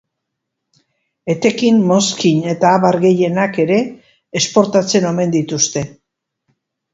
Etekin, mozkin eta abar gehienak ere, esportatzen omen dituzte.